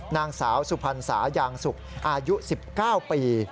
นางสาวสุพรรณสายางสุกอายุ๑๙ปี